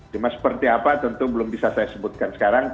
cuma seperti apa tentu belum bisa saya sebutkan sekarang